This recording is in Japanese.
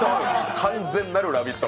完全なるラヴィット！